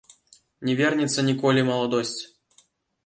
Не вернецца ніколі маладосць.